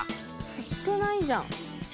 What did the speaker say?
「吸ってないじゃん」